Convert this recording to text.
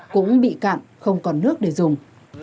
cũng bị cạn không còn nước để dùng